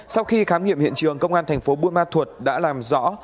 sau khi khám nghiệm hiện trường công an thành phố buôn ma thuột đã làm rõ